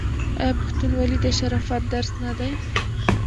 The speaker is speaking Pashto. آیا پښتونولي د شرافت درس نه دی؟